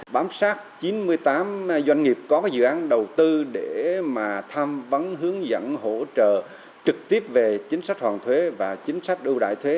bám sát chín mươi tám doanh nghiệp có dự án đầu tư để mà tham vấn hướng dẫn hỗ trợ trực tiếp về chính sách hoàn thuế và chính sách ưu đại thuế